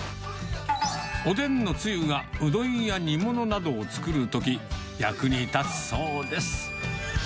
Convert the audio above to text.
おでんのつゆが、うどんや煮物などを作るとき、役に立つそうです。